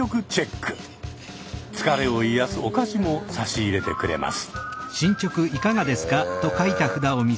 疲れを癒やすお菓子も差し入れてくれます。